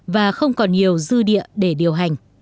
và không còn nhiều dư địa để điều hành